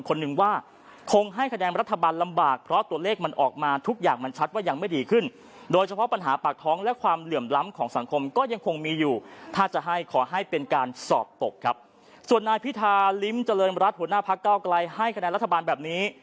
ขาลิ้มเจริญรัฐหัวหน้าภักดิ์เก้าไกลให้คะแนนรัฐบาลแบบนี้